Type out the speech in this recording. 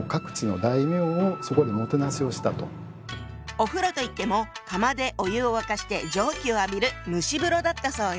お風呂といっても窯でお湯を沸かして蒸気を浴びる蒸し風呂だったそうよ。